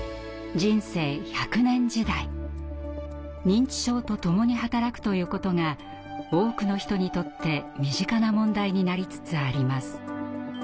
認知症とともに働くということが多くの人にとって身近な問題になりつつあります。